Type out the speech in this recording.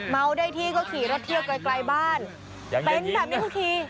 เมาได้ที่ก็ขี่รถเที่ยวไกลบ้านเป็นแบบนี้ทุกที